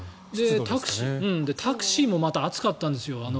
タクシーもまた暑かったんですよ。